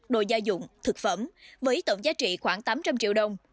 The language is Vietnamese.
đồ gia dụng thực phẩm với tổng giá trị khoảng tám trăm linh triệu đồng